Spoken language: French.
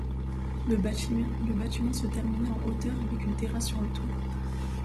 Le bâtiment se terminait en hauteur avec une terrasse sur le toit.